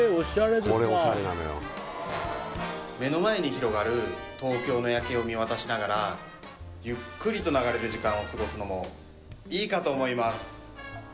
目の前に広がる東京の夜景を見渡しながらゆっくりと流れる時間を過ごすのもいいかと思います